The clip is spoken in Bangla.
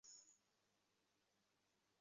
তাঁর রূহ ও তাঁর কালিমা।